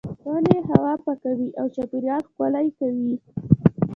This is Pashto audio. ونې هوا پاکوي او چاپیریال ښکلی کوي.